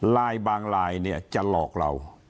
ลายบางลายเนี่ยจะหลอกเรา